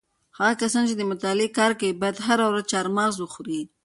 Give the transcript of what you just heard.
هغه کسان چې د مطالعې کار کوي باید هره ورځ چهارمغز وخوري.